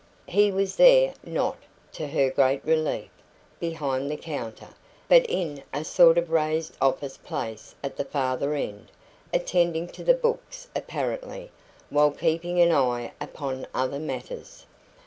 He was there not, to her great relief, behind the counter, but in a sort of raised office place at the farther end attending to the books apparently, while keeping an eye upon other matters.